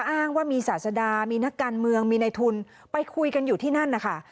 อ้างว่ามีศาสดามีนักการเมืองมีในทุนไปคุยกันอยู่ที่นั่นนะคะ